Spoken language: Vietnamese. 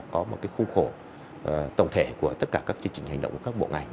có một khu khổ tổng thể của tất cả các chương trình hành động của các bộ ngành